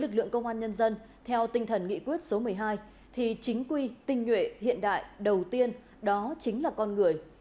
lực lượng công an nhân dân theo tinh thần nghị quyết số một mươi hai thì chính quy tinh nhuệ hiện đại đầu tiên đó chính là con người